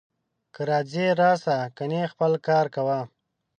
که راځې راسه، کنې خپل کار کوه